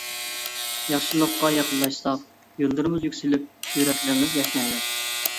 ياخشىلىققا يېقىنلاشساق، يوللىرىمىز يۈكسىلىپ، يۈرەكلىرىمىز ياشنايدۇ.